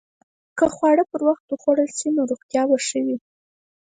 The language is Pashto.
که خواړه پر وخت وخوړل شي، نو روغتیا به ښه وي.